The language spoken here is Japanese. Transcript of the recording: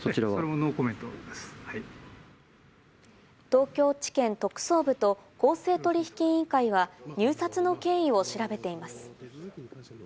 東京地検特捜部と公正取引委員会は入札の経緯を調べています。